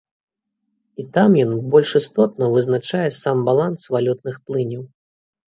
І таму ён больш істотна вызначае сам баланс валютных плыняў.